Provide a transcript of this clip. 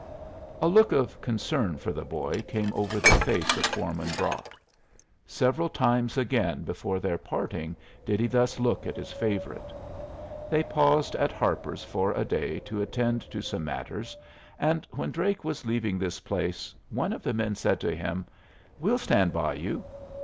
A look of concern for the boy came over the face of foreman Brock. Several times again before their parting did he thus look at his favorite. They paused at Harper's for a day to attend to some matters, and when Drake was leaving this place one of the men said to him: "We'll stand by you."